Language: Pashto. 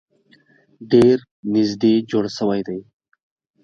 ډیر نیږدې جوړ شوي دي.